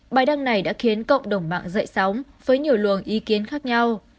bài đăng này đã khiến cộng đồng mạng dậy sóng với nhiều luồng ý kiến khác nhau